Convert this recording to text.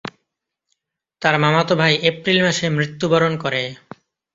তার মামাতো ভাই এপ্রিল মাসে মৃত্যুবরণ করে।